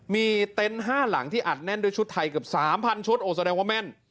มีเต็นต์๕หลังที่อัดแน่นด้วยชุดไทยเกือบ๓๐๐ชุดโอ้แสดงว่าแม่น